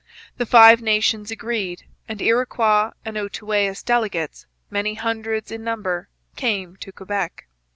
The Five Nations agreed, and Iroquois and Outaouais delegates, many hundreds in number, came to Quebec.